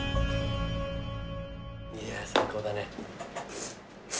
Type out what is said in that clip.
いや最高だね。